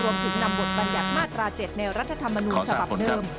รวมถึงนำบทบรรยากมาตรา๗แนวรัฐธรรมนูลฉบับเดิม